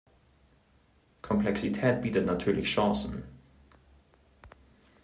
Komplexität bietet natürlich Chancen.